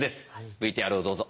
ＶＴＲをどうぞ。